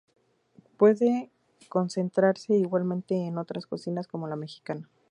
Puede encontrarse igualmente en otras cocinas como la mexicana.